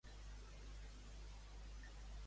De qui s'ha presentat informació ja?